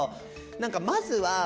何かまずはその